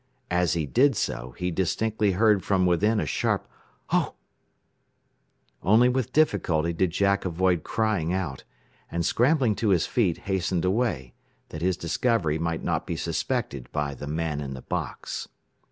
As he did so, he distinctly heard from within a sharp "Oh!" Only with difficulty did Jack avoid crying out, and scrambling to his feet, hastened away, that his discovery might not be suspected by the man in the box.